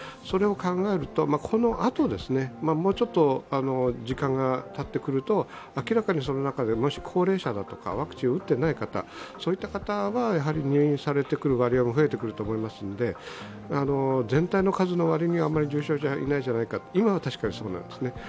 それを考えるとこのあと、もうちょっと時間がたってくると明らかにその中でもし高齢者だとか、ワクチンを打っていない方は、入院されてくる割合も増えてくると思いますので全体の数の割にあまり重症者がいないじゃないか、今は確かにそうなんですね。